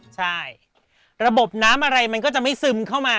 ใช่ระบบน้ำอะไรมันก็จะไม่ซึมเข้ามา